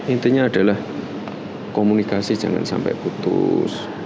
intinya adalah komunikasi jangan sampai putus